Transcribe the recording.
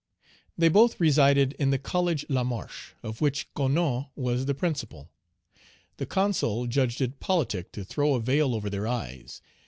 They both resided in the College La Marche, of which Coasnon was the principal. The Consul judged it politic to throw a veil over their eyes.